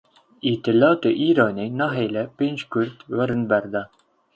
Îtilata Îranê nahêle pênc Kurd werin berdan.